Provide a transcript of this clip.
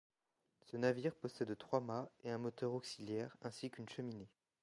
Ce navire possède trois mâts et un moteur auxiliaire ainsi qu'une cheminée.